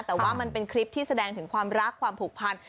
แต่ว่ามันเป็นคลิปที่แสดงถึงความรักความผูกพัน